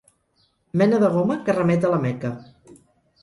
Mena de goma que remet a la Meca.